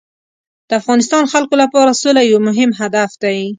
د افغانستان خلکو لپاره سوله یو مهم هدف دی.